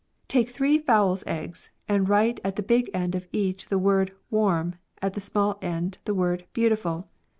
" Take three fowl's ieggs, and write at the big end of each the word ivarm, at the small end the word beautiful.